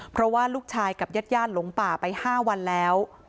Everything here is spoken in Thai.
เพราะว่าลูกชายกับญาติหลงป่าไป๕วันแล้ว